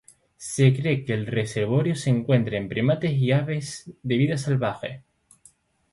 Se cree que el reservorio se encuentra en primates y aves de vida salvaje.